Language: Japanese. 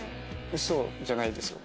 嘘じゃないですよこれ。